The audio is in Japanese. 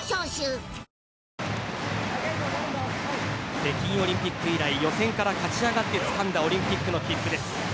北京オリンピック以来予選から勝ち上がってつかんだオリンピックの切符です。